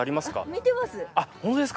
見てます。